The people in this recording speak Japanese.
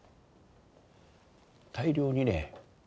大量にね